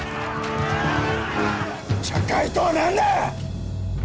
茶会とは何だ！